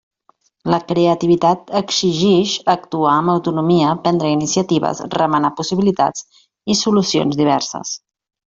La creativitat exigix actuar amb autonomia, prendre iniciatives, remenar possibilitats i solucions diverses.